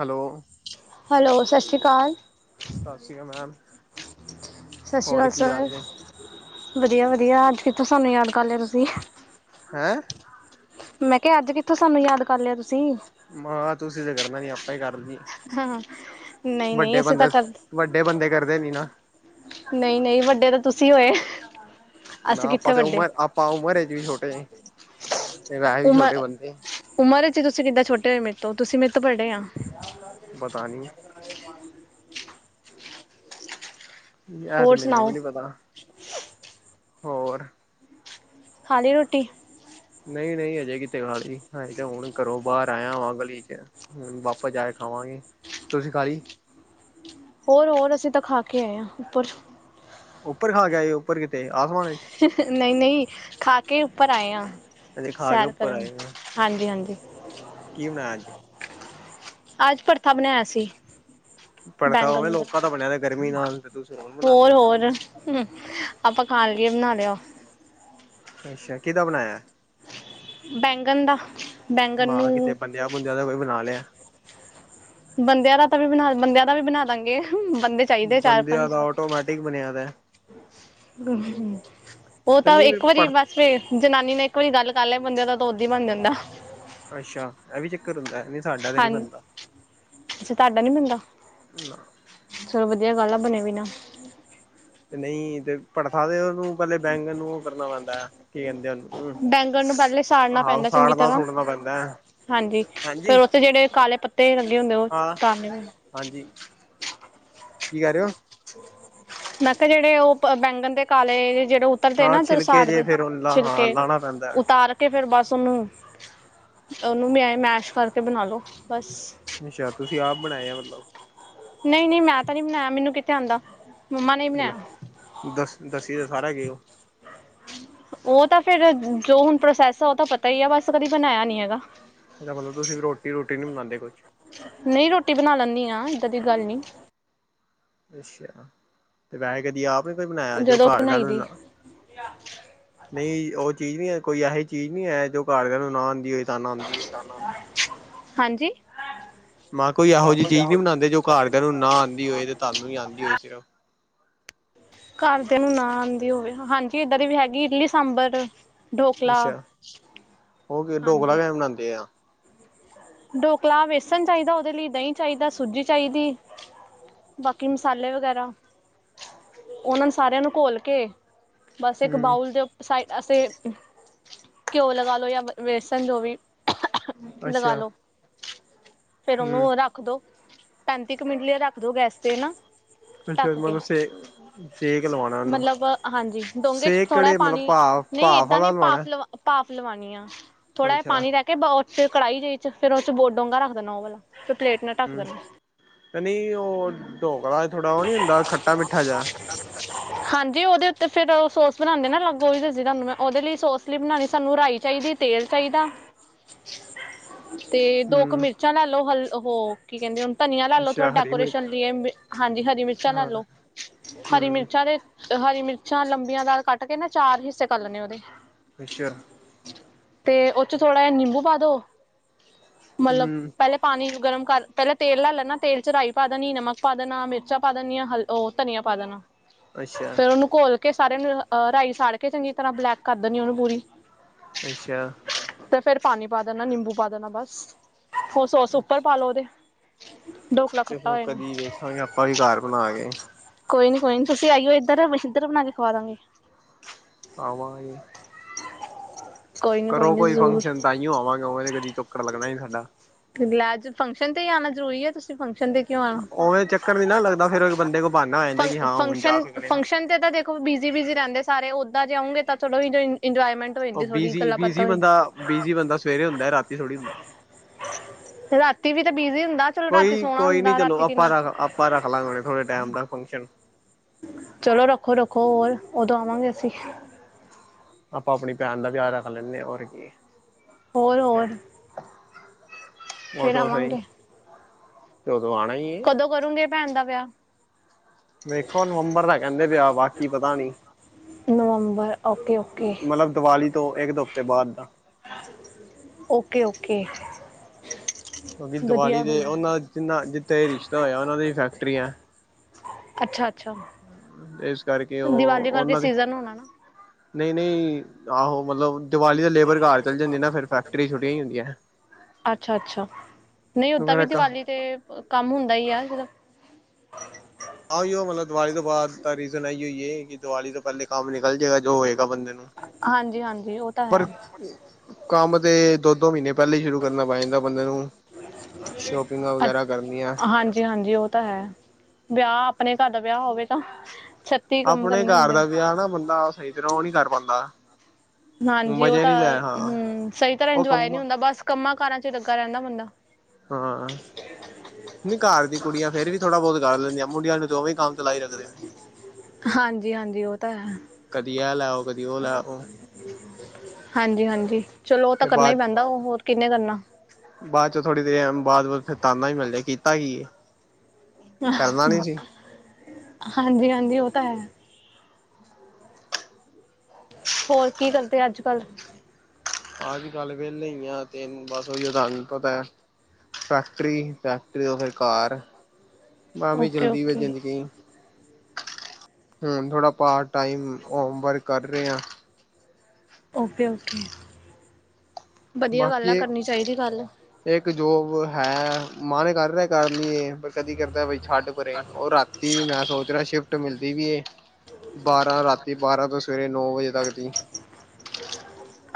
Hello hello, ਸਤਿ ਸ੍ਰੀ ਅਕਾਲ। ਸਤਿ ਸ੍ਰੀ ਅਕਾਲ ਮੈਮ, ਸਤਿ ਸ਼੍ਰੀ ਹੋਰ ਅਕਾਲ ਕੀ ਹਾਲ ਸਰ ਨੇ? ਵਧੀਆ- ਵਧੀਆ, ਅੱਜ ਕਿਥੋਂ ਸਾਨੂੰ ਯਾਦ ਕਰ ਲਿਆ, ਤੁਸੀ? ਹੈਂ। ਮੈਂ ਕਿਹਾ, ਅੱਜ ਕਿਥੋਂ ਸਾਨੂੰ, ਯਾਦ ਕਰ ਲਿਆ ਤੁਸੀ? ਮੈਂ ਕਿਹਾ, ਤੁਸੀਂ ਤੇ ਕਰਨਾ ਨੀ, ਆਪਾਂ ਹੀ ਕਰ ਲਈਏ। ਨਹੀਂ, ਨਹੀਂ ਵੱਡੇ ਅਸੀਂ ਤਾਂ ਬੰਦੇ ਕਰ ਵੱਡੇ, ਬੰਦੇ ਕਰਦੇ ਨੀ ਨਾ। ਨਹੀਂ-ਨਹੀਂ, ਵੱਡੇ ਤਾਂ ਤੁਸੀਂ ਹੋਏ। ਨਾ, ਅਸੀਂ ਕਿੱਥੇ ਆਪਾਂ ਤੇ ਵੱਡੇ ਉਮਰ, ਆਪਾਂ ਉਮਰ ਚ ਵੀ ਛੋਟੇ। ਤੇ, ਵੈਸੇ ਵੀ ਛੋਟੇ ਉਮਰ ਬੰਦੇ ਉਮਰ ਚ ਤੁਸੀਂ, ਕਿੱਦਾਂ ਛੋਟੇ ਹੋਏ ਮੇਰੇ ਤੋਂ, ਤੁਸੀਂ ਮੇਰੇ ਤੋਂ ਬੜੇ ਆਂ। ਪਤਾ ਨੀ ਇਹ ਤੇ ਹੋਰ, ਮੈਨੂੰ ਵੀ ਸੁਣਾਓ? ਨੀ ਪਤਾ ਹੋਰ। ਖਾ, ਲੀ ਰੋਟੀ? ਨਹੀਂ -ਨਹੀਂ, ਹਜੇ ਕਿਤੇ ਖਾ ਲੀ, ਹਜੇ ਤਾਂ ਹੁਣ ਘਰੋਂ ਬਾਹਰ ਆਇਆ ਵਾਂ, ਗਲੀ ਚ ਹੁਣ ਵਾਪਸ ਜਾ ਕੇ ਖਾਵਾਂਗੇ, ਤੁਸੀਂ ਖਾ ਲਈ? ਹੋਰ, ਹੋਰ ਅਸੀਂ ਤਾਂ ਖਾ ਕੇ ਆਏ ਹਾਂ, ਉੱਪਰ ਉੱਪਰ ਖਾ ਕੇ ਆਏ ਓ? ਉੱਪਰ ਕਿਤੇ, ਆਸਮਾਨ ਵਿੱਚ? ਨਹੀਂ-ਨਹੀਂ, ਖਾ ਕੇ ਉੱਪਰ ਆਏ ਆਂ, ਹਜੇ ਖਾ ਕੇ ਸੈਰ ਉੱਪਰ ਕਰਨ ਆਏ ਹੋ। ਹਾਂਜੀ- ਹਾਂਜੀ ਕੀ ਬਣਾਯਾ ਆਜ਼? ਅੱਜ ਭਰਥਾ ਬਣਾਇਆ ਸੀ। ਪੜਦਾ ਉਵੇਂ ਲੋਕਾਂ ਦਾ ਬਣਿਆ ਗਰਮੀ ਨਾਲ ਤੇ। ਤੁਸੀਂ ਹੁਣ ਬਣਾਉਂਦੇ ਹੋਰ, ਹੋ ਹੋਰ ਆਪਾਂ ਖਾਣ ਲਈਏ ਬਣਾ ਲਿਆ। ਅੱਛਾ, ਕਿਹਦਾ ਬਣਾਇਆ। ਬੈਂਗਣ ਦਾ। ਬੈਂਗਣ ਮੈਂ ਕਿਹਾ ਨੂੰ ਬੰਦਿਆ- ਬੁੰਦਿਆਂ ਦਾ ਕੋਈ ਬਣਾ ਲਿਆ। ਬੰਦਿਆਂ ਦਾ ਤਾਂ, ਵੀ ਬਣਾ ਬੰਦਿਆਂ ਦਾ ਵੀ ਬਣਾ ਦਾਂਗੇ, ਬੰਦੇ ਚਾਹੀਦੇ ਚਾਰ ਬੰਦਿਆਂ ਪੰਜ ਦਾ ਆਟੋਮੈਟਿਕ ਬਣਿਆ ਪਿਆ। ਉਹ ਤੇ ਤਾਂ ਨਹੀਂ ਫਿਰ ਇੱਕ ਵਾਰੀ ਪੜ ਬਸ ਫੇਰ ਜਨਾਨੀ ਨੇ ਇੱਕ ਵਾਰੀ ਗੱਲ ਕਰ ਲਿਆ। ਬੰਦੇਆਂ ਦਾ ਤਾਂ ਉੱਦਾ ਹੀ ਬਣ ਜਾਂਦਾ। ਅੱਛੇਆ। ਇਹ ਵੀ ਚੱਕਰ ਹੁੰਦਾ, ਨਹੀਂ ਸਾਡਾ ਤੇ ਨੀ ਹਾਂਜੀ ਬੰਦਾ। ਅੱਛਾ, ਤੁਹਾਡਾ ਨੀ ਬਨਦਾ। ਨਾ। ਚਲੋ ਵਧੀਆ ਗੱਲ ਆ, ਬਣੇ ਵੀ ਨਾ। ਤੇ ਨਹੀਂ ਤੇ ਪੜਥਾ ਤੇ ਉਹਨੂੰ ਪਹਿਲੇ ਬੈਂਗਨ ਨੂੰ ਉਹ ਕਰਨਾ ਪੈਂਦਾ ਆ। ਕੀ ਕਹਿੰਦੇ ਉਹਨੂੰਮ ਬੈਂਗਣ ਨੂੰ ਪਹਿਲੇ ਸਾੜਨਾ ਆਹੋ ਪੈਂਦਾ ਚੰਗੀ ਸਾੜਨਾ- ਤਰ੍ਹਾਂ ਸੁੜਨਾ ਪੈਂਦਾ ਏ। ਹਾਂਜੀ। ਫੇਰ ਉੱਥੇ ਜਿਹੜੇ ਕਾਲੇ ਪੱਤੇ ਲੱਗੇ ਹੁੰਦੇ ਉਹ ਹਾਂ ਉਤਾਰਨੇ ਉ। ਹਾਂਜੀ। ਕੀ ਕਰ ਰਹੇ ਹੋ। ਮੈਂ ਕਿਹਾ ਜਿਹੜੇ ਉਹ ਬੈਂਗਨ ਦੇ ਕਾਲੇ ਜਿਹੜੇ ਓਪੱਰ ਦੇ ਹਾਂ ਨਾ ਉੱਧਰ ਛਿਲਕੇ ਸਾੜ ਜੇ ਦੇ, ਫੇਰ ਉਹਦਾ ਹਾਂ ਛਿਲਕੇ ਲਾਣਾ ਪੈਂਦਾ ਉਤਾਰ ਕੇ ਫੇਰ ਬਸ ਉਹਨੂੰ, ਉਹਨੂੰ ਵੀ ਮੈਸ਼ ਕਰਕੇ ਬਣਾਲੋ ਬਸ। ਅੱਛਾ, ਤੁਸੀਂ ਆਪ ਬਣਾਏ ਆ। ਮਤਲਬ ਨਹੀਂ-ਨਹੀਂ ਮੈਂ ਤਾਂ ਨਹੀਂ ਬਣਾਇਆ। ਮੈਨੂੰ ਕਿੱਥੇ ਆਉਂਦਾ। ਮੰਮਾ ਨੇ ਅ ਬਣਾਇਆ ਲੇ ਦਸ, ਦਸੀ ਦਾ ਸਾਰਾ ਗਏ ਉਹ। ਉਹ ਤਾਂ ਫੇਰ, ਜੋ ਹੁਣ ਪ੍ਰੋਸੈਸ ਆ ਉਹ ਤਾਂ ਪਤਾ ਹੀ ਆ ਬਸ, ਕਦੀ ਬਣਾਇਆ ਨੀ ਹੈਗਾ। ਇਹਦਾ ਮਤਲਬ ਤੁਸੀਂ ਰੋਟੀ- ਰੁਟੀ ਨੀ ਬਨਾਉਂਦੇ ਕੋਈ। ਨਹੀਂ ਰੋਟੀ ਬਣਾ ਲੈਂਦੀ ਆ, ਇੱਦਾਂ ਦੀ ਗੱਲ ਨਹੀਂ। ਅੱਛਾ, ਤੇ ਵੈਸੇ ਕਦੀ ਆਪ ਨੇ ਕੋਈ ਬਣਾਇਆ ਜੋ ਜਦੋਂ ਘਰ ਬਣਾਈ ਦੀ ਕੇਹਦਣ। ਨਹੀਂ ਉਹ ਚੀਜ਼ ਨਹੀਂ ਹੈ। ਕੋਈ ਇਹੋਹੀ ਚੀਜ਼ ਨਹੀਂ ਹੈ, ਜੋ ਘਾਰ ਦੇਆ ਨੂੰ ਨਾ ਆਉਂਦੀ ਹੋਏ। ਤੁਹਾਨੂੰ ਆਉਂਦੀ ਹੋਏ। ਹਾਂਜੀ। ਮਾਂ ਕਿਹਾ ਕੋਈ ਇਹੋ ਜਿਹੀ ਚੀਜ਼ ਨੀ ਬਣਾਉਂਦੇ, ਜੋ ਘਰਦਿਆਂ ਨੂੰ ਨਾ ਆਉਂਦੀ ਹੋਏ। ਤੇ ਤੁਾਨੂੰ ਹੀ ਆਉਂਦੀ ਹੋਏ ਸਿਰਫ। ਘਰਦਿਆਂ ਨੂੰ ਨਾ ਆਉਂਦੀ ਹੋਵੇ। ਹਾਂਜੀ ਇੱਦਾਂ ਦੀ ਵੀ ਹੈਗੀ ਇਡਲੀ- ਸਾਂਬਰ। ਢੋਕਲਾ, ਅੱਛਾ ਉਹ ਢੋਕਲਾ ਹਾਂਜੀ। ਕਿਵੇਂ ਬਣਾਉਂਦੇ ਆ। ਡਢੋਕਲਾ ਬੇਸਣ ਚਾਹੀਦਾ ਉਹਦੇ ਲਈ, ਦਹੀਂ ਚਾਹੀਦਾ, ਸੂਜੀ ਚਾਹੀਦੀ। ਬਾਕੀ ਮਸਾਲੇ ਵਗੈਰਾ, ਉਹਨਾਂ ਨੂੰ ਸਾਰਿਆਂ ਨੂੰ ਘੋਲ ਕੇ ਬਸ ਇੱਕ ਹਮ ਬਾਊਲ ਦੇ ਸਾਈਡ ਅਸੀਂ ਘਿਓ ਲਗਾ ਲਓ ਜਾਂ ਬੇਸਣ ਜੋ ਵੀ ਅੱਛਾ। ਫੇਰ ਉਹਨੂੰ ਹਮ ਰੱਖ ਦੋ। ਪੈਂਤੀ ਕੁ ਮਿੰਟ ਲਿਆ ਰੱਖ ਦੋ ਗੈਸ ਤੇ ਨਾ। ਅੱਛਾ। ਢੱਕ ਕੇ ਬਤਲਸ [unintelligible] ਸੇਕ ਲਵਾਉਣਾ ਉਹਨੂੰ। ਮਤਲਬ ਹਾਂਜੀ ਡੋਂਗੇ ਚ ਸੇਕ ਥੋੜ੍ਹਾ ਕਿਹੜੇ ਮਤਲਬ ਭਾ ਭਾਫ਼ ਵਾਲਾ ਲਵਾਉਣਾ। ਭਾਪ ਲਵਾਉਣੀ ਆ। ਥੋੜਾ ਜਿ ਅੱਛਾ ਪਾਣੀ ਰੱਖ ਚ ਕੜਾਈ ਦੇ ਚ ਫੇਰ ਉਹ ਚ ਬੋ ਡੋਂਘਾ ਰੱਖ ਦੇਣਾ। ਉਹ ਵਾਲਾ ਫੇਰ ਪਲੇਟ ਨਾਲ ਢੱਕ ਦੇਣਾ। ਤੇ ਨਹੀਂ ਉਹ ਡੋਕਲਾ ਥੋੜਾ ਉਹ ਨਹੀਂ ਹੁੰਦਾ ਖੱਟਾ- ਮਿੱਠਾ ਜਿਹਾ। ਹਾਂਜੀ, ਉਹਦੇ ਉੱਤੇ ਫੇਰ ਉਹ ਸੋਸ ਬਣਾਉਂਦੇ ਨਾ। ਅਲੱਗ ਉਹਹੀ ਦੱਸੀ ਤੁਹਾਨੂੰ ਮੈਂ। ਉਹਦੇ ਲਈ ਸੋਸ ਲਈ ਬਣਾਉਣੀ ਸਾਨੂੰ ਰਾਈ ਚਾਹੀਦੀ। ਤੇਲ ਚਾਹੀਦਾ। ਹ। ਤੇ ਦੋ ਕ ਮਿਰਚਾਂ ਲੈ ਲਓ। ਹਲ ਉਹ ਕੀ ਕਹਿੰਦੇ ਹੁਣ ਧਨੀਆ ਲੈ ਲੋ ਥੋੜਾ ਅੱਛਾ ਹਰੀ ਮਿਰਚ ਡੈਕੋਰੇਸ਼ਨ ਲਈ। ਹਾਂਜੀ, ਹਰੀ ਮਿਰਚਾਂ ਲੈ ਹਾਂ ਲਓ, ਹਰੀ ਹਮ ਮਿਰਚਾਂ। ਅਰੇ ਹਰੀ ਮਿਰਚਾਂ ਲੰਬੀਆਂ ਦਾਲ ਕੱਟ ਕੇ ਨਾ ਚਾਰ ਹਿੱਸੇ ਕਰ ਲੈਣੇ ਉਹਦੇ। ਅੱਛਾ। ਤੇ ਉਹਦੇ ਚ' ਥੋੜ੍ਹਾ ਜਿਹਾ ਨਿੰਬੂ ਪਾ ਦੋ। ਮਤਲਬ ਹਮ ਪਹਿਲੇ ਪਾਣੀ ਗਰਮ ਕਰ ਪਹਿਲਾਂ ਤੇਲ ਲੈ ਲੈਣਾ। ਤੇਲ ਚ' ਰਈ ਪਾ ਪਾ ਦੇਣੀ ਨਮਕ ਪਾ ਦੇਣਾ, ਮਿਰਚਾਂ ਪਾ ਦੇਣੀ, ਆ ਹ ਉਹ ਧਨੀਆ ਪਾ ਦੇਣਾ। ਅੱਛਾ। ਫਿਰ ਉਹਨੂੰ ਘੋਲ ਕੇ ਸਾਰਿਆਂ ਨੂੰ ਅਹ ਰਾਈ ਸਾੜ ਕੇ ਚੰਗੀ ਤਰ੍ਹਾਂ ਬਲੈਕ ਕਰ ਦੇਣੀ ਉਹਨੂੰ ਪੂਰੀ। ਅੱਛਾ ਤੇ ਫੇਰ ਪਾਣੀ ਪਾ ਦੇਣਾ ਨਿੰਬੂ ਪਾ ਦੇਣਾ ਬਸ ਹੋਰ ਸੋਸ ਉੱਪਰ ਪਾ ਲਉ ਉਹਦੇ। ਦੋ ਚਲੋ ਕਦੀ ਵੇਖਾਂਗੇ ਆਪਾਂ ਵੀ ਘਰ ਬਣਾ ਕੇ। ਕੋਈ ਨੀ ਕੋਈ ਨੀ ਤੁਸੀਂ ਆਈਓ ਇੱਧਰ ਅਸੀਂ ਇਧਰ ਬਣਾ ਕੇ ਖਵਾ ਦਾਂਗੇ। ਆਵਾਂਗੇ। ਕੋਈ ਨੀ ਕਰੋ ਨੀ ਕੋਈ ਜ਼ਰੂਰ ਫੰਕਸ਼ਨ ਤਾਂਈਓ ਆਵਾਂਗੇ ਉਵੇ ਕਦੀ ਚੱਕਰ ਲੱਗਣਾ ਹੀ ਨਹੀਂ ਸਾਡਾ। ਲੈ ਅੱਜ ਫੰਕਸ਼ਨ ਤੇ ਹੀ ਆਉਣਾ ਜ਼ਰੂਰੀ ਹੈ। ਤੁਸੀਂ ਫੰਕਸ਼ਨ ਤੇ ਕਿਉ ਆਣਾ ਉਵੇਂ ਚੱਕਰ ਨੀ ਨਾ ਲੱਗਦਾ ਫੇਰ ਬੰਦੇ ਕੋਲ ਬਹਾਨਾ ਹੋ ਜਾਂਦਾ ਕਿ ਫੰਕ ਹਾਂ ਹੁਣ ਜਾ ਸਕਦੇ ਹਾਂ ਫੰਕਸ਼ਨ ਤੇ ਤਾਂ ਦੇਖੋ। ਤੇ ਬਿਜ਼ੀ-ਬਿਜ਼ੀ ਰਹਿੰਦੇ ਸਾਰੇ ਉਦਾਂ ਜੇ ਆਉਂਗੇ ਤਾਂ ਚਲੋ ਵੀ ਇੰਜੋਇਮੈਂਟ। ਉਹ ਬੀਜੀ, ਬੀਜੀ ਬੰਦਾ। ਬੀਜੀ ਬੰਦਾ ਸਵੇਰੇ ਹੁੰਦਾ ਰਾਤੀ ਥੋੜ੍ਹੀ ਹੁੰਦਾ। ਰਾਤੀ ਵੀ ਤਾਂ ਬਿਜੀ ਹੁੰਦਾ। ਚਲੋ ਰਾਤੀ ਕੋਈ- ਸੋਹਣਾ ਕੋਈ ਨੀ ਹੁੰਦਾ ਚਲੋ ਰਾਤੀ ਆਪਾਂ ਕਿੰਨਾ ਰੱਖ ਆਪਾਂ ਰੱਖ ਲਾਂਗੇ ਥੋੜੇ ਟਾਈਮ ਦਾ ਫੰਕਸ਼ਨ। ਚਲੋ ਰੱਖੋ- ਰੱਖੋ ਹੋਰ, ਉਦੋਂ ਆਵਾਂਗੇ ਅਸੀਂ। ਆਪਾਂ ਆਪਣੀ ਭੈਣ ਦਾ ਵਿਆਹ ਰੱਖ ਲੈਂਦੇ ਹਾਂ ਹੋਰ ਕੀ। ਹੋਰ- ਹੋਰ। ਫੇਰ ਉਦੋਂ ਸਹੀ ਆਵਾਂਗੇ ਤੇ ਉਦੋਂ ਆਉਣਾ। ਹੈ ਕਦੋਂ ਕਰੋਂਗੇ ਭੈਣ ਦਾ ਵਿਆਹ? ਵੇਖੋ ਨਵੰਬਰ ਦਾ ਕਹਿੰਦੇ ਪਿਆ ਬਾਕੀ ਪਤਾ ਨੀ। ਨਵੰਬਰ ਓਕੇ, ਓਕੇ। ਮਤਲਬ ਦੀਵਾਲੀ ਤੋਂ ਇੱਕ ਦੋ ਹਫ਼ਤੇ ਬਾਦ ਦਾ। Okay -okay. ਕਿਉਂਕਿ ਦੀਵਾਲੀ ਵਧੀਆ ਦੇ ਵਧੀਆ ਉਹਨਾ ਜਿੰਨਾ ਜਿੱਥੇ ਇਹ ਰਿਸ਼ਤਾ ਹੋਇਆ ਉਹਨਾਂ ਦੀ ਫੈਕਟਰੀ ਹੈ। ਅੱਛਾ-ਅੱਛਾ ਇਸ ਕਰਕੇ ਦੀਵਾਲੀ ਕਰਕੇ ਸੀਜਨ ਹੋਣਾ ਨਾ। ਨਹੀਂ-ਨਹੀਂ ਆਹੋ ਮਤਲਬ। ਦੀਵਾਲੀ ਦੇ ਲੇਬਰ ਘਰ ਚੱਲੀ ਜਾਂਦੀ ਨਾ ਫਿਰ ਫੈਕਟਰੀ ਛੁਟੀਆਂ ਹੁੰਦੀਆਂ। ਅੱਛਾ-ਅੱਛਾ, ਨਹੀਂ ਓਦਾਂ ਫਿਰ ਵੀ ਇੱਕ ਦੀਵਾਲੀ ਤੇ ਕੰਮ ਹੁੰਦਾ ਹੀ ਆ ਜਿੱਦਾਂ। ਆ ਹੀ ਉਹ ਮਤਲਬ ਦੀਵਾਲੀ ਤੋਂ ਬਾਅਦ ਤਾਂ ਰੀਜ਼ਨ ਆ ਹੀ ਹੋਈਏ ਕਿ ਦੀਵਾਲੀ ਤੋਂ ਪਹਿਲੇ ਕੰਮ ਨਿਕਲ ਜਾਵੇਗਾ ਜੋ ਹੋਏਗਾ ਬੰਦੇ ਨੂੰ। ਹਾਂਜੀ-ਹਾਂਜੀ, ਉਹ ਤਾਂ ਹੈ। ਪਰ ਕੰਮ ਤੇ ਦੋ-ਦੋ ਮਹੀਨੇ ਪਹਿਲਾਂ ਹੀ ਸ਼ੁਰੂ ਕਰਨਾ ਪੈ ਜਾਂਦਾ ਬੰਦੇ ਨੂੰ। ਸ਼ੋਪਿੰਗਾਂ ਅ ਵਗੈਰਾ ਕਰਨੀਆਂ ਹਾਂਜੀ-ਹਾਂਜੀ ਉਹ ਤਾਂ ਹੈ। ਵਿਆਹ ਆਪਣੇ ਘਰ ਦਾ ਵਿਆਹ ਹੋਵੇ ਤਾਂ ਛ। ਆਪਣੇ ਘਰ ਦਾ ਵਿਆਹ ਨਾ ਬੰਦਾ ਸਹੀ ਤਰ੍ਹਾਂ ਉਹ ਨਹੀਂ ਕਰ ਪਾਉਂਦਾ। ਹਾਂਜੀ ਉਹ ਮਜ਼ੇ ਤਾਂ ਨੀ ਲੈ ਹਾਂ ਹਮ ਸਹੀ ਤਰ੍ਹਾਂ ਉਹ ਇੰਜੋਏ ਨਹੀਂ ਕੰਮਾਂ ਹੁੰਦਾ ਬਸ ਕੰਮਾਂ ਕਾਰਾਂ ਚ ਲੱਗਾ ਰਹਿੰਦਾ ਬੰਦਾ। ਹਾਂ। ਨਹੀਂ ਘਰ ਦੀ ਕੁੜੀਆਂ ਫੇਰ ਵੀ ਥੋੜਾ ਬਹੁਤ ਕਰ ਲੈਂਦੀਆਂ। ਮੁੰਡੀਆਂ ਨੂੰ ਤੇ ਉਵੈਂ ਕੰਮ ਲਾਈ ਰੱਖਦੇ ਨੇ। ਹਾਂਜੀ-ਹਾਂਜੀ ਉਹ ਤਾਂ ਹੈ। ਕਦੀ ਇਹ ਲੈ ਆਉ ਕਦੀ ਉਹ ਲੈ ਆਉ। ਹਾਂਜੀ-ਹਾਂਜੀ, ਚਲੋ ਉਹ ਤਾਂ ਫਿਰ ਕਰਨਾ ਹੀ ਬਾਅਦ ਪੈਂਦਾ ਉਹ ਹੋਰ ਕਿੰਹਨੇ ਕਰਨਾ। ਬਾਅਦ ਚ ਥੋੜੀ ਦੇਰ ਬਾਅਦ ਫਿਰ ਤਾੱਨਾ ਹੀ ਮਿਲ ਜਾਏ ਕੀਤਾ ਈ ਕੀ ਏ। ਕਰਨਾ ਨੀ ਸੀ ਹਾਂਜੀ-ਹਾਂਜੀ ਉਹ ਤਾਂ ਹੈ। ਹੋਰ ਕੀ ਕਰਦੇ ਅੱਜ ਕੱਲ ਅੱਜ ਕੱਲ ਵਿਹਲੇ ਹੀ ਆ ਤੈਨੂੰ ਬਸ ਉਹੀ ਰਾਣੀ ਪਤਾ ਹੈ। ਫੈਕਟਰੀ-ਫੈਕਟਰੀ ਤੋਂ ਫਿਰ ਘਰ ਮੈਂ ਵੀ ਓਕੇ ਜਲਦੀ ਵੇ ਓਕੇ ਜ਼ਿੰਦਗੀ ਹੁਣ ਥੋੜਾ ਪਾਰਟ ਟਾਈਮ ਹੋਮ ਵਰਕ ਕਰ ਰਹੇ ਹਾਂ। ਓਕੇ-ਓਕੇ ਬਾਕੀ ਇੱਕ ਜੋਬ ਹੈ ਮਨ ਕਰ ਰਿਹਾ ਕਰ ਲਈਏ ਪਰ ਕਦੀ ਕਹਿੰਦਾ ਬਾਈ ਛੱਡ ਪਰੇ ਉਹ ਰਾਤੀ ਮੈਂ ਸੋਚ ਰਿਹਾ ਸ਼ਿਫਟ ਮਿਲਦੀ ਪਈ ਇਹ ਬਾਰਾਂ ਰਾਤੀ ਬਾਰਾਂ ਤੋਂ ਸਵੇਰੇ ਨੌ ਵਜੇ ਤੱਕ ਦੀ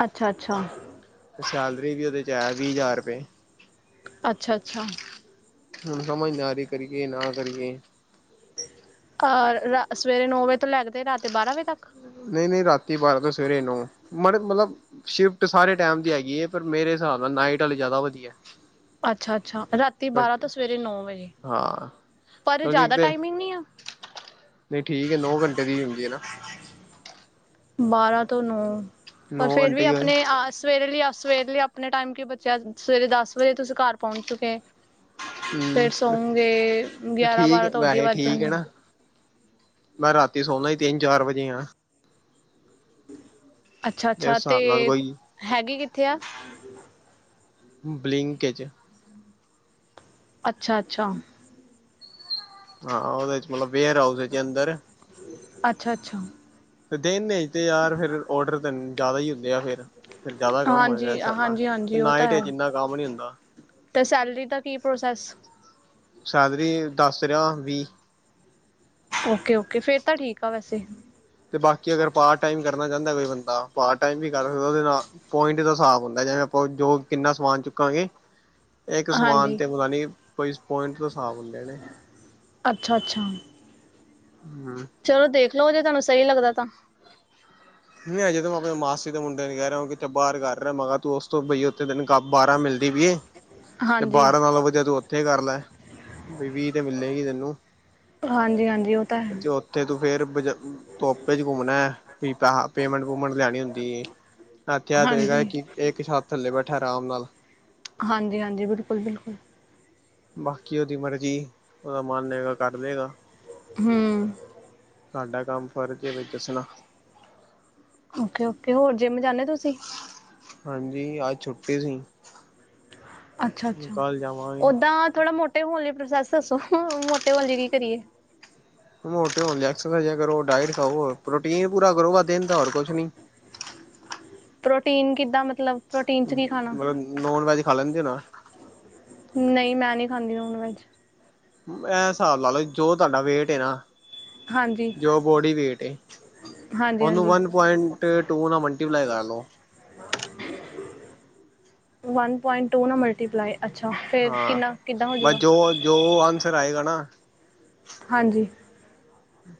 ਅੱਛਾ- ਅੱਛਾ। ਸੈਲਰੀ ਵੀ ਉਹਦੇ ਚ ਹੈ ਵੀਹ ਹਜ਼ਾਰ ਰੁਪਏ ਅੱਛਾ -ਅੱਛਾ। ਹੁਣ ਸਮਝ ਨਹੀਂ ਆ ਰਹੀ ਕਰੀਏ ਨਾ ਕਰੀਏ ਸਵੇਰੇ ਨੌ ਵਜੇ ਤੋਂ ਲੈ ਕੇ ਰਾਤ ਦੇ ਬਾਰਾਂ ਵਜੇ ਤੱਕ ਨਹੀਂ ਨਹੀਂ ਰਾਤੀਂ ਬਾਰਾਂ ਤੋਂ ਸਵੇਰੇ ਨੋ ਮੜੇ ਮਤਲਬ ਸ਼ਿਫਟ ਸਾਰੇ ਟਾਈਮ ਦੀ ਹੈਗੀ ਹੈ ਪਰ ਮੇਰੇ ਹਿਸਾਬ ਨਾਲ ਨਾਈਟ ਵਾਲੀ ਜ਼ਿਆਦਾ ਵਧੀਆ ਅੱਛਾ, -ਅੱਛਾ ਰਾਤੀਂ ਬਾਰਾਂ ਤੋਂ ਸਵੇਰੇ ਨੌਂ ਵਜ਼ੇ ਹਾਂ ਕਿਉਂਕਿ ਤੇ ਨਹੀਂ ਆ। ਨਹੀਂ ਠੀਕ ਹੈ ਨੋ ਘੰਟੇ ਦੀ ਹੁੰਦੀਂ ਹੈ ਨਾ ਬਾਰਾਂ ਤੋਂ ਨੌ ਪਰ ਨੌ ਫਿਰ ਘੰਟੇ ਵੀ ਹੀ ਹੋਏ ਆਪਣੇ ਆਸ ਸਵੇਰੇ ਲਈ ਸਵੇਰ ਲਈ ਆਪਣੇ ਟਾਈਮ ਕਿ ਬਚਿਆ ਸਵੇਰੇ ਦੱਸ ਵਜੇ ਤੁਸੀਂ ਘਰ ਪਹੁੰਚ ਚੁੱਕੇ ਫਿਰ ਹਮ ਸੌਂ ਗੇ ਗਿਆਰਾਂ ਠੀਕ ਬਾਰਾਂ ਤੋਂ ਉਧੀ ਵੈਸੇ ਵੱਜ ਠੀਕ ਹੈ ਜਾਂਦੇ ਨਾ ਮੈਂ ਰਾਤੀ ਸੌਂਦਾ ਹੀ ਤਿੰਨ ਚਾਰ ਵਜੇ ਆ ਅੱਛਾ-ਅੱਛਾ ਉਸ ਤੇ ਹਿਸਾਬ ਨਾਲ ਕੋਈ ਹੈਗੀ ਕਿੱਥੇ ਆ ਬਲਿੰਕ ਇਚ ਅੱਛਾ-ਅੱਛਾ। ਹਾਂ ਉਹਦਾ ਮਤਲਬ ਵੇਅਰ ਹਾਊਸ ਹੈ ਜੇ ਅੰਦਰ ਅੱਛਾ-ਅੱਛਾ। ਦੇਨ ਤੇ ਯਾਰ ਫਿਰ ਔਡਰ ਤੈਨ ਜ਼ਿਆਦਾ ਹੀ ਹੁੰਦੇ ਆ ਫਿਰ ਫਿਰ ਜ਼ਿਆਦਾ ਕੰਮ ਹੋਏਗਾ ਹਾਂਜੀ ਇਸ ਹਿਸਾਬ ਨਾਲ ਹਾਂਜੀ ਤੇ ਹਾਂਜੀ ਉਹ ਤਾਂ ਨਾਈਟ ਚ ਹੈ। ਇੰਨਾ ਕੰਮ ਨੀ ਹੁੰਦਾ ਤੇ ਸੈਲਰੀ ਦਾ ਕੀ ਪ੍ਰੋਸੈਸ ਸੈਲਰੀ ਦੱਸ ਰਿਹਾ ਵੀਹ ਓਕੇ-ਓਕੇ ਫਿਰ ਤਾਂ ਠੀਕ ਆ ਵੈਸੇ ਤੇ ਬਾਕੀ ਅਗਰ ਪਾਰਟ ਟਾਈਮ ਕਰਨਾ ਚਾਹੁੰਦਾ ਕੋਈ ਬੰਦਾ ਪਾਰਟ ਟਾਈਮ ਵੀ ਕਰ ਸਕਦਾ ਉਹਦੇ ਨਾਲ ਪੁਆਇੰਟ ਦਾ ਹਿਸਾਬ ਹੁੰਦਾ ਜਿਵੇਂ ਆਪਾਂ ਜੋ ਕਿੰਨਾ ਸਮਾਨ ਚੱਕਾਂਗੇ ਇੱਕ ਸਮਾਨ ਹਾਂਜੀ ਤੇ ਪਤਾ ਨਹੀਂ ਪੁਆਇੰਟ ਦੇ ਹਿਸਾਬ ਹੁੰਦੇ ਨੇ ਅੱਛਾ- ਅੱਛਾ। ਹੂ,,, ਚਲੋ ਦੇਖ ਲਓ ਜੇ ਤੁਹਾਨੂੰ ਸਹੀ ਲੱਗਦਾ ਤਾਂ ਨਹੀਂ ਅਜੇ ਤੂੰ ਆਪਣੇਂ ਮਾਸੀ ਦੇ ਮੁੰਡੇ ਨ ਕਹਿ ਰਿਹਾਂ ਹੋ ਬਾਹਰ ਕਰ ਰਿਹਾਂ ਮਗਰ ਤੂੰ ਉਸ ਤੋਂ ਬਈ ਦਿਨ ਕ ਬਾਰਾਂ ਮਿਲਦੀ ਪਈ ਇਹ ਤੇ ਹਾਂਜੀ ਬਾਰਾਂ ਨਾਲੋਂ ਵਧੀਆਂ ਤੂੰ ਇੱਥੇ ਕਰ ਲੈ ਵੀਹ ਤੇ ਮਿਲਣਾ ਨਹੀਂ ਤੈਂਨੂੰ ਹਾਂਜੀ ਹਾਂਜੀ ਉਹ ਤਾਂ ਹੈ। ਤੇ ਤੂੰ ਫਿਰ ਤੋਪੇ ਚ ਘੁੰਮਣਾਂ ਵੀ ਪੈਸ ਪੇਮੈਂਟ ਪੂਮੈਂਟ ਲੈਂਣੀ ਹੁੰਦੀ ਹੈ। ਆਖਿਆ ਪਿਆ ਹਾਂਜੀ ਕਿ ਇੱਕ ਛੱਤ ਥੱਲੇ ਬੈਠਾਂ ਆਰਾਮ ਨਾਲ ਹਾਂਜੀ ਹਾਂਜੀ ਬਿਲਕੁਲ ਬਿਲਕੁਲ ਬਾਕੀ ਉਹਦੀ ਮਰਜ਼ੀ ਉਹਦਾ ਮਨ ਹੋਏਗਾ ਕਰ ਲੇਗਾ ਹੂ,,, ਸਾਡਾ ਕੰਮ ਫਰਜ਼ ਏ ਦੱਸਣਾ ਓਕੇ, ਓਕੇ ਹੋਰ ਜੇਮ ਜਾਂਨੇ ਤੁਸੀ ਹਾਂਜੀ, ਆੱਜ ਛੁੱਟੀ ਸੀ। ਅੱਛਾ, ਹੁਣ ਅੱਛਾ ਕੱਲ ਜਾਵਾਂਗੇ ਉਦਾਂ ਥੋੜਾ ਮੋਟੇ ਹੋਨ ਲਈ ਪ੍ਰੋਸੈਸ ਦੱਸੋ, ਮੋਟੇ ਹੋਨ ਲਈ ਕੀ ਕਰੀਏ। ਮੋਟੇ ਹੋਨ ਐਕਸਾ ਸਾਈਜਾ, ਕਰੋਂ ਡਾਇਟ ਖਾਓ, ਪ੍ਰੋਟੀਨ ਪੂਰਾ ਕਰੋ, ਵਾ ਦੇਨ ਦਾ ਹੋਰ ਕੁਛ ਨੀ ਪ੍ਰੋਟੀਨ ਕਿੱਦਾਂ ਮਤਲਬ ਪ੍ਰੋਟੀਨ 'ਚ ਕੀ ਮਲਬ ਨੋਨ ਵੈਜ ਖਾਂ ਲੈਂਦੇ ਓ ਨਾਂ ਨਈ ਮੈਂ ਨੀ ਖਾਂਦੀ ਨੋਨ ਵੈਜ ਐ ਸਾਬ ਲਾਲੋ ਜੋ ਤੋਡਾ ਵੇਟ ਨਾ, ਹਾਂਜੀ ਜੋ ਬੋਡੀ ਵੇਟ ਏ। ਹਾਂਜੀ ਓਨੂੰ ਹਾਂਜੀ ਵਨ ਪੋਇੰਟ ਟੂ ਨਾਲ ਮਲਟੀਪਲਾਏ ਕਾਰਲੋ ਵਨ ਪੁਆਇੰਟ ਟੂ ਨਾਲ ਮਲਟੀਪਲਾਏ ਅੱਛਾ, ਫਿਰ ਹਾਂ ਕਿੰਨਾ ਕਿਦਾ ਹੋ ਬਸ ਜਾਉਗਾ? ਜੋ ਜੋ ਅੰਸਵਰ ਆਇਗਾ ਨਾ। ਹਾਂਜੀ।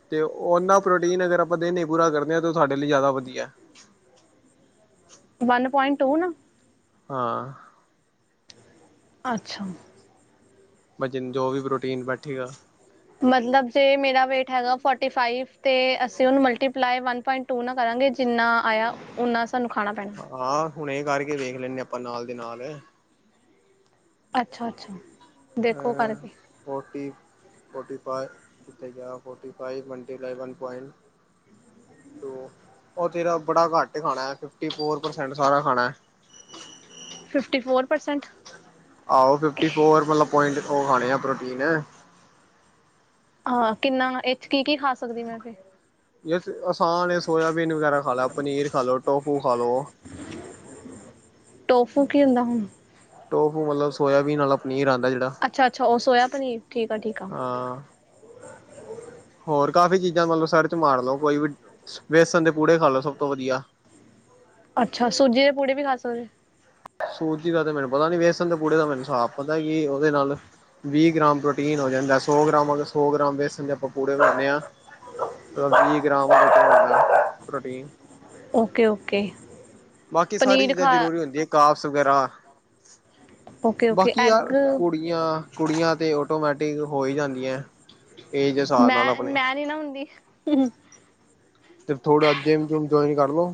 ਤੇ ਉਹਨਾਂ ਪ੍ਰੋਟੀਨ ਅਗਰ ਆਪਾਂ ਦਿਨ ਵਿਚ ਪੂਰਾ ਕਰਦੇ ਹਾਂ ਤਾਂ ਉਹ ਸਾਡੇ ਲਈ ਜਿਆਦਾ ਵਧੀਆ। ਵਨ ਪੁਆਇੰਟ ਟੂ ਨਾ। ਹਾਂ। ਅੱਛਾ। ਵਜਨ ਜੋ ਵੀ ਪ੍ਰੋਟੀਨ ਬੈਠੈ ਗਾ। ਮਤਲਬ ਜੇ ਮੇਰਾ ਵੇਟ ਹੈਗਾ ਫੋਰਟੀ ਫਾਈਵ ਤੇ ਅਸੀਂ ਉਹਨੂੰ ਮਲਟੀਪਲਾਈ ਵਨ ਪੁਆਇੰਟ। ਟੂ ਨਾ ਕਰਾਂਗੇ ਜਿੰਨਾ ਆਇਆ ਓਨਾ ਸਾਨੂੰ ਖਾਣਾ ਪੈਣਾ। ਹਾਂ, ਹੁਣੇ ਕਾਰਕੇ ਵੇਖ ਲੈਂਦੇ ਆ, ਆਪਾਂ ਨਾਲ ਦੇ ਨਾਲ ਅੱਛਾ, ਅੱਛਾ ਦੇਖੋ ਕਾਰਕੇ ਫੋਟੀ-ਫੋਟੀ ਫਾਏ ਕਿੱਥੇ ਗੇਆ ਫੋਟੀਫਾਈਵ ਮਲਟੀਪਲਾਏ ਵਨ ਪੋਂਇੰਟ [inaudible] ਓ ਤੇਰਾ ਬੜਾ ਘਾੱਟ ਖਾਣਾ, ਫਿਫਟੀ ਫੋਰ ਪਰਸੈਂਟ ਸਾਰਾ ਖਾਣਾ ਫਿਫਟੀ ਫੋਰ ਪਰਸੈਂਟ ਆਓ ਫਿਫਟੀ ਫੋਰ ਮਲਬ ਪੋਂਇੰਟ ਓ ਖਾਂਣੇ ਐ ਪ੍ਰੋਟੀਨ ਹਾਂ, ਕਿੰਨਾ ਵਾ ਏਚ ਕੀ-ਕੀ ਖਾ ਸਕਦੀ ਮੈਂ ਫੇਰ ਜੇਸ ਆਸਾਨ ਏ ਸੋਆਬੀਨ ਵਗੈਰਾ ਖਾਲੇ, ਪਨੀਰ ਖਾਲੋ, ਟੋਫੂ ਖਾਲੋ ਟੋਫੂ ਕੀ ਹੁੰਦਾ ਹੁਨ। ਟੋਫੂ ਮਲਬ ਸੋਆਬੀਨ ਆਲਾ ਪਨੀਰ ਆਂਦਾ ਅੱਛਾ, ਅੱਛਾ ਓ ਸੋਏਆ ਪਨੀਰ ਠੀਕ ਆ, ਠੀਕ ਆ‌ ਹਾਂ। ਹੋਰ ਕਾਫ਼ੀ ਚੀਜ਼ਾਂ ਮਤਲਬ ਸਰਚ ਮਾਰ ਲਓ। ਕੋਈ ਵੀ ਵੇਸਣ ਦੇ ਪੂੜੇ ਖਾ ਲਓ ਸਭ ਤੋਂ ਵਧੀਆ। ਅੱਛਾ, ਸੁੱਜੀ ਦੇ ਪੂੜੇ ਵੀ ਖਾ ਸਕਦੇ। ਸੂਜੀ ਦਾ ਤਾ ਮੈਨੂੰ ਪਤਾ ਨੀ, ਵੇਸਣ ਦੇ ਪੂੜੇ ਦਾ ਮੈਨੂੰ ਸਾਭ ਪਤਾ ਕੀ ਉਹਦੇ ਨਾਲ ਵੀਹ ਗ੍ਰਾਮ ਪ੍ਰੋਟੀਨ ਹੋ ਜਾਂਦਾ, ਸੌ ਗ੍ਰਾਮ ਅਗਰ ਸੌ ਗ੍ਰਾਮ ਵੇਸਣ ਜਾਂ ਪੂੜੇ ਰੱਖਦੇ ਆ, ਵੀਹ ਗ੍ਰਾਮ ਪ੍ਰੋਟੀਨ ਓਕੇ-ਓਕੇ। ਬਾਕੀ ਸਾਰੀ ਚੀਜ਼ਾਂ ਜ਼ਰੂਰੀ ਹੁੰਦੀਆਂ, ਕੈਰਬਸ ਵਗੈਰਾ ਓਕੇ ਓਕੇ ਬਾਕੀ ਯਾਰ ਐਗ ਕੁੜੀ ਯਾਂ ਕੁੜੀਆਂ ਤੇ ਆਟੋਮੈਟਿਕ ਹੋ ਹੀ ਜਾਂਦੀਆਂ। ਏਜ ਦੇ ਹਿਸਾਬ ਨਾਲ ਮੈਂ ਆਪਣੇ ਮੈਂ ਨੀ ਨਾ ਹੁੰਦੀ। ਫਿਰ ਥੋੜਾ ਜੀਮ ਜੂਮ ਜੁਇਨ ਕਰ ਲੋ।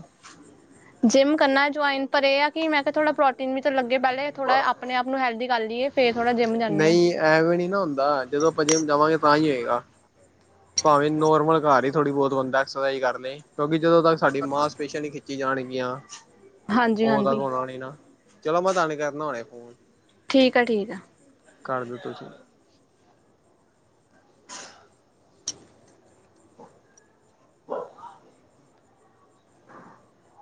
ਜਿੰਮ ਕਰਨਾ ਜੁਆਇਨ ਪਰ ਇਹ ਆ ਕਿ ਮੈਂ। ਫਿਰ ਥੋੜ੍ਹਾ ਪ੍ਰੋਟੀਨ ਵੀ ਤਾਂ ਲੱਗੇ ਪਹਿਲੇ ਥੋੜ੍ਹਾ ਆਪਣੇ ਆਪ ਨੂੰ ਹੈਲਦੀ ਕਰ ਲਈਏ ਫਿਰ ਥੋੜ੍ਹਾ ਜਿੰਮ ਜਾਂਦੇ ਹਾਂ। ਨਹੀਂ ਐਵੇਂ ਨੀ ਨਾ ਹੁੰਦਾ ਜਦੋਂ ਆਪਾਂ ਜਿੰਮ ਜਾਵਾਂਗੇ ਤਾਂ ਹੀ ਹੋਏਗਾ। ਭਾਵੇਂ ਨੋਰਮਲ ਘਰ ਹੀ ਥੋੜ੍ਹੀ ਬੋਤ ਬੰਦਾ ਐਕਸਰਸਾਈਜ਼ ਕਰਲੇ ਕਿਉਂਕਿ ਜਦੋਂ ਤੱਕ ਸਾਡੀ ਮਾਂਸ ਪੇਸ਼ਿਆਂ ਨਹੀਂ ਖਿੱਚੀ ਜਾਣਗੀਆਂ ਹਾਂਜੀ ਉਦੋਂ ਤੱਕ ਹਾਂਜੀ ਹੋਣਾ ਨੀ ਨਾ। ਚਲੋ ਮੈਂ ਤੁਹਾਨੂੰ ਕਰਨਾ ਹੁਣੇ ਫੋਨ। ਠੀਕ ਆ ਠੀਕ ਆ। ਕਰ ਦਿੱਤਾ ਸੀ। [inaudible]